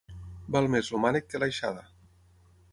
Val més el mànec que l'aixada.